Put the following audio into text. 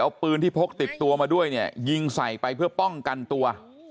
เอาปืนที่พกติดตัวมาด้วยเนี่ยยิงใส่ไปเพื่อป้องกันตัว